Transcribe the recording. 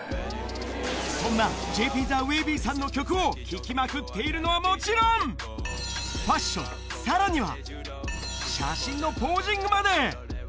そんなＪＰ・ザ・ウェイビーさんの曲を聴きまくっているのはもちろん、ファッション、さらには、写真のポージングまで。